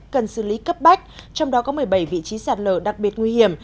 cần xử lý cấp bách trong đó có một mươi bảy vị trí sạt lở đặc biệt nguy hiểm